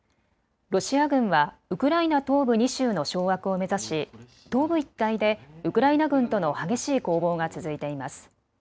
ロシア軍はウクライナ東部２州の掌握を目指し東部一帯でウクライナ軍との激しい攻防が続いています。